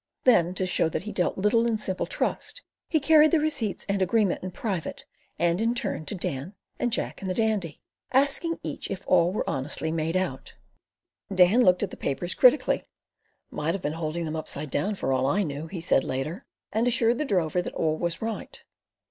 Then, to show that he dealt little in simple trust, he carried the receipts and agreement in private and in turn, to Dan, and Jack, and the Dandy, asking each if all were honestly made out. Dan looked at the papers critically ("might have been holding them upside down for all I knew," he said later), and assured the drover that all was right.